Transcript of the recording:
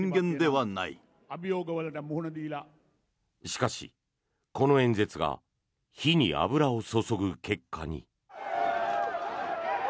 しかし、この演説が火に油を注ぐ結果に。